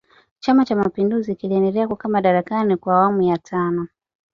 chama cha mapinduzi kiliendelea kukaa madarakani kwa awamu ya tano